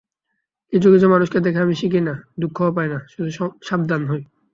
কিছু কিছু মানুষকে দেখে আমি শিখি না, দুঃখও পাই না, শুধু সাবধান হই।